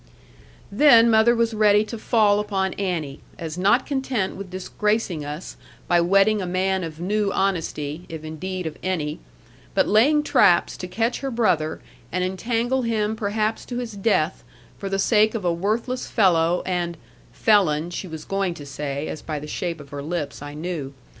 Then mother was ready to fall upon Annie, as not content with disgracing us, by wedding a man of new honesty (if indeed of any), but laying traps to catch her brother, and entangle him perhaps to his death, for the sake of a worthless fellow; and 'felon' she was going to say, as by the shape of her lips I knew.